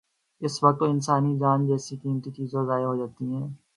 اس میں وقت اور انسانی جان جیسی قیمتی چیزوں ضائع ہو جاتی ہیں۔